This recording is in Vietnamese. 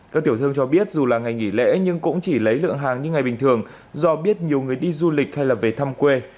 các tiểu thương cho biết dù là ngày nghỉ lễ nhưng cũng chỉ lấy lượng hàng như ngày bình thường do biết nhiều người đi du lịch hay là về thăm quê